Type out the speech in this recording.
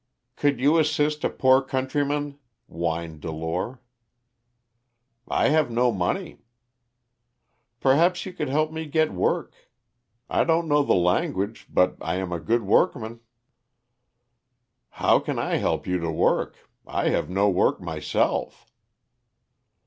"Could you assist a poor countryman?" whined Delore. "I have no money." "Perhaps you could help me to get work. I don't know the language, but I am a good workman." "How can I help you to work? I have no work myself."